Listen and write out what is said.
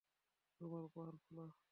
তোমার উপহার খোল।